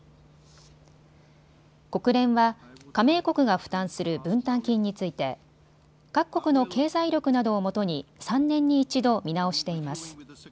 国連は加盟国が負担する分担金について各国の経済力などをもとに３年に１度見直しています。